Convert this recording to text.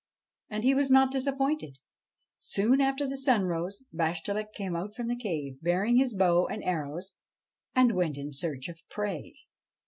And he was not disappointed. Soon after the sun rose, Bash tchelik came out from the cave, bearing his bow and arrows, and went in search of prey.